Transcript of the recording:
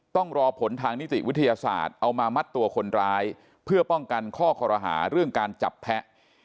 ต้องรอผลทางนิติวิทยาศาสตร์เอามามัดตัวคนร้ายเพื่อป้องกันข้อคอรหาเรื่องการจับแพ้